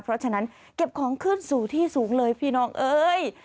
เพราะฉะนั้นเก็บของขึ้นสู่ที่สูงเลยพี่น้องเอ้ย